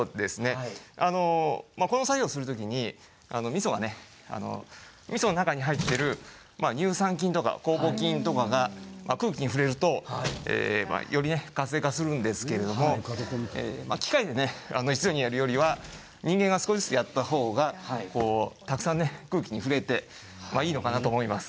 この作業をする時にみそは、みその中に入っている乳酸菌とか酵母菌とかが空気に触れるとより活性化するんですけれども機械で一度にやるよりは人間が少しずつやった方がたくさん空気に触れていいのかなと思います。